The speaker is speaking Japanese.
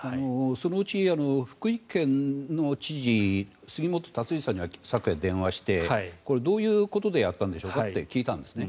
そのうち福井県の知事杉本さんには昨夜電話して、どういうことでやったんでしょうかと聞いたんですね。